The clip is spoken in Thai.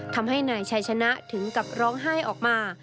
ทำให้นายชัยชนะถึงกับร้องไห้ออกมา